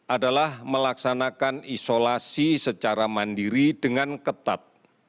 adalah melaksanakan isolasi secara mandiri dengan ketat